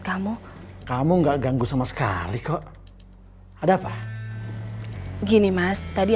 kamu burdenanti dua ternyata kamu kamu gak ganggu sama sekali kok ada apa gini mas tadi